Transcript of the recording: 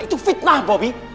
itu fitnah bobby